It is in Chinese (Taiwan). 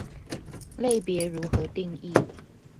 類別如何定義